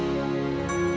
aini jangan lupa